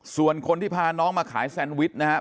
ส่วนคนที่พาน้องมาขายแซนวิชนะครับ